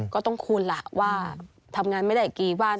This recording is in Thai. ก็ต้องคูณล่ะว่าทำงานไม่ได้กี่วัน